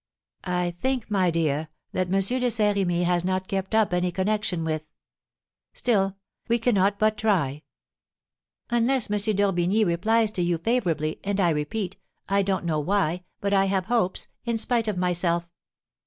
"I think, my dear, that M. de Saint Remy has not kept up any connection with Still, we cannot but try." "Unless M. d'Orbigny replies to you favourably, and I repeat, I don't know why, but I have hopes, in spite of myself."